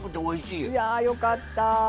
いやぁよかった。